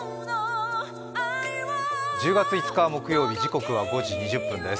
１０月５日木曜日、時刻は５時２０分です。